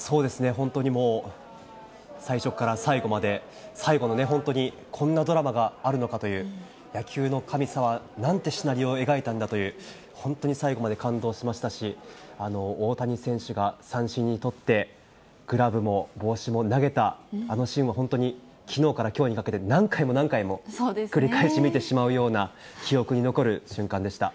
本当にもう、最初から最後まで、最後の本当に、こんなドラマがあるのかという、野球の神様、なんてシナリオを描いたんだという、本当に最後まで感動しましたし、大谷選手が三振に取って、グラブも帽子も投げた、あのシーンも、本当に、きのうからきょうにかけて、何回も何回も繰り返し見てしまうような、記憶に残る瞬間でした。